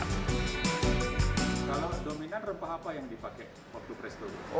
kalau dominan rempah apa yang dipakai waktu presto